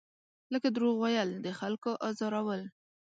لکه دروغ ویل، د خلکو ازارول.